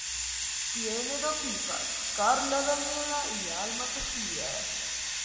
Tiene dos hijas: Karla Daniela y Alma Sofía.